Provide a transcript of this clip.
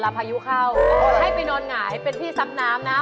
พายุเข้าให้ไปนอนหงายเป็นที่ซับน้ำนะ